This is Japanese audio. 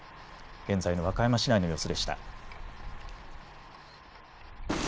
現在の和歌山市内の様子でした。